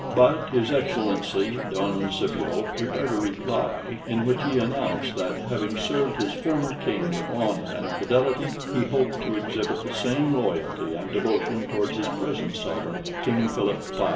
But his Excellency, Don Scipio, prepared a reply, in which he announced that, having served his former king with honor and fidelity, he hoped to exhibit the same loyalty and devotion towards his present sovereign, King Philip V.